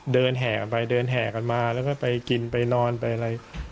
แห่กันไปเดินแห่กันมาแล้วก็ไปกินไปนอนไปอะไร